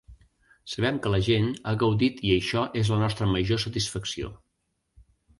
Sabem que la gent ha gaudit i això és la nostra major satisfacció.